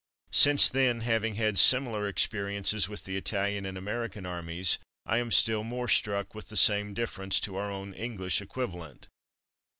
Since then, having had similar experiences with the Italian and American armies, I am still more struck with the same difference to our own English equivalent.